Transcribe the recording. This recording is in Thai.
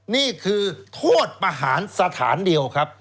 นี่คือโทษประหารสถานเดียวครับ